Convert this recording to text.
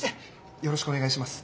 よろしくお願いします。